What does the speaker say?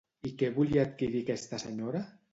I què volia adquirir aquesta senyora?